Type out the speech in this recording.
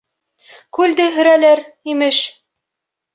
Күлде һөрәләр, имеш!